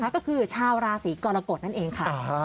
ก็คือชาวราศีกรกฎนั่นเองค่ะ